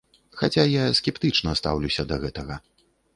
Хаця я скептычна стаўлюся да гэтага.